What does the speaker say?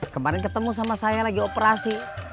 kemarin ketemu sama saya lagi operasi